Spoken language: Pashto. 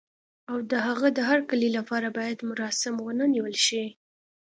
او د هغه د هرکلي لپاره باید مراسم ونه نیول شي.